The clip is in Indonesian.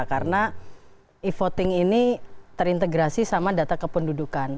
karena e voting ini terintegrasi sama data kependudukan